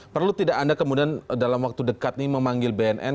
perlu tidak anda kemudian dalam waktu dekat ini memanggil bnn